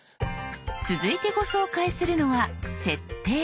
続いてご紹介するのは「設定」。